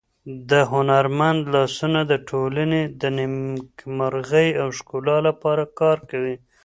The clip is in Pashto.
د هنرمند لاسونه د ټولنې د نېکمرغۍ او ښکلا لپاره کار کوي.